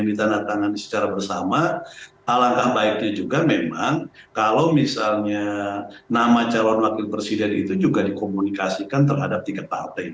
ditandatangani secara bersama alangkah baiknya juga memang kalau misalnya nama calon wakil presiden itu juga dikomunikasikan terhadap tiga partai